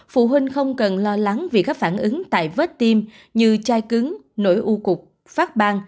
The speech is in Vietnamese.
phụ huynh không cần lo lắng vì các phản ứng tại vết tiêm như chai cứng nỗi u cục phát ban